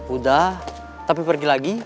udah tapi pergi lagi